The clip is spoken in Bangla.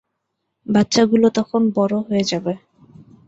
বাচ্চাগুলো তখন বড় হয়ে যাবে।